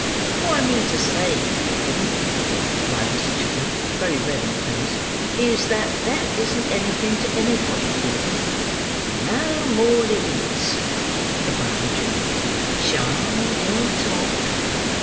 "What I mean to say, Fagin," replied Mr. Chitling, very red in the face, "is, that that isn't anything to anybody here." "No more it is," replied the Jew; "Charley will talk.